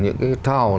những cái thao